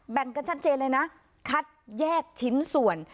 แบ่งกันชัดเจนเลยนะคัดแยกชิ้นส่วน